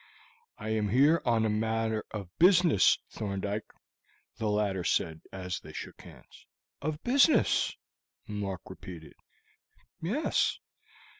"I am here on a matter of business, Thorndyke," the latter said as they shook hands. "Of business!" Mark repeated. "Yes.